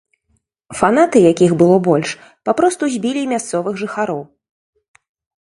Фанаты, якіх было больш, папросту збілі мясцовых жыхароў.